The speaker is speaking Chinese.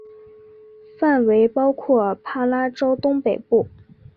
范围包括帕拉州东北部。